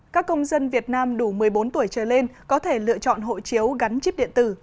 các công dân việt nam đủ một mươi bốn tuổi trở lên có thể lựa chọn hộ chiếu gắn chip điện tử